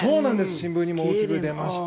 新聞にも大きく出ました。